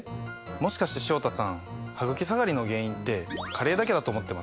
もしかして潮田さんハグキ下がりの原因って加齢だけだと思ってます？